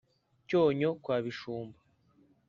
Cyonyo kwa Bishumba